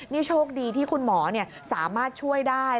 นี่โชคดีที่คุณหมอสามารถช่วยได้